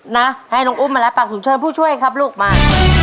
นะให้น้องอุ้มมาแล้วปากถุงเชิญผู้ช่วยครับลูกมา